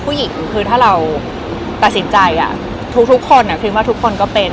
ผู้หญิงคือถ้าเราตัดสินใจทุกคนคริมว่าทุกคนก็เป็น